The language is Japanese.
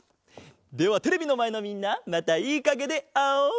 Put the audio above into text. ではテレビのまえのみんなまたいいかげであおう！